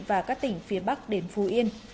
và các tỉnh phía bắc đến phú yên